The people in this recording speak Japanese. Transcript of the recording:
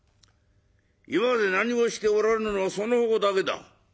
今まで何もしておらぬのはそのほうだけだ。